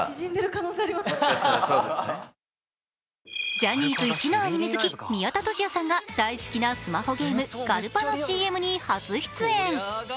ジャニーズ１のアニメ好き、宮田俊哉さんが大好きなスマホゲーム「ガルパ」のＣＭに初出演。